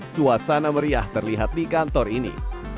suasana meriah terlihat di kantor ini